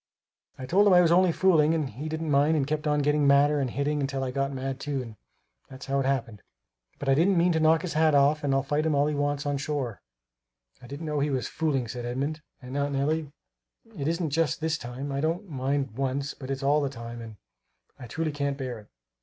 I told him I was only fooling, but he didn't mind and kept on getting madder and hitting till I got mad too and that's how it happened. But I didn't mean to knock his hat off, and I'll fight him all he wants on shore." "I didn't know he was fooling," said Edmund, "and Aunt Nellie, it isn't just this time; I don't mind once; but it's all the time and and I truly can't bear it!"